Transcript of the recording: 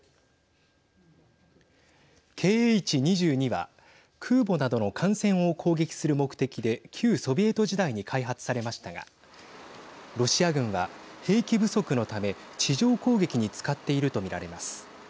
Ｋｈ‐２２は空母などの艦船を攻撃する目的で旧ソビエト時代に開発されましたがロシア軍は兵器不足のため地上攻撃に使っていると見られます。